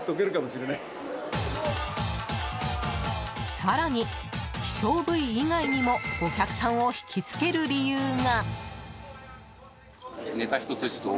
更に、希少部位以外にもお客さんを引きつける理由が。